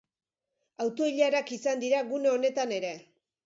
Auto-ilarak izan dira gune honetan ere.